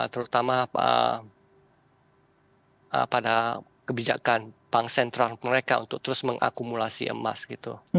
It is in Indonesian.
terutama pada kebijakan bank sentral mereka untuk terus mengakumulasi emas gitu